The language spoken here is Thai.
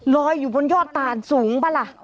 ลอยอยู่บนยอดตานสูงป่าละ